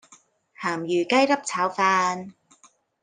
鹹魚雞粒炒飯